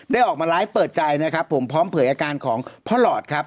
ออกมาไลฟ์เปิดใจนะครับผมพร้อมเผยอาการของพ่อหลอดครับ